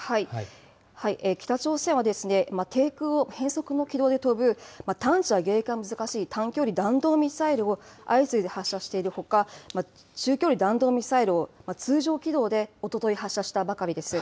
北朝鮮は、低空を変則の軌道で飛ぶ、探知や迎撃が難しい、短距離弾道ミサイルを相次いで発射しているほか、中距離弾道ミサイルを通常軌道でおととい、発射したばかりです。